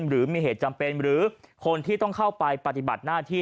หรือมีเหตุจำเป็นหรือคนที่ต้องเข้าไปปฏิบัติหน้าที่